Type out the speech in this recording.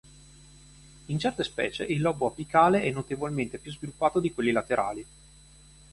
In certe specie il lobo apicale è notevolmente più sviluppato di quelli laterali.